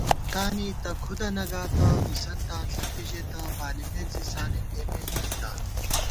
زېنتانی تہ کھُدنہ گاتہ مِسَنتاں ݪَپی ژېتہ، بالِمیت زی سانېن اېمےمِتِتا